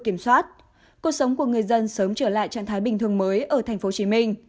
kiểm soát cuộc sống của người dân sớm trở lại trạng thái bình thường mới ở tp hcm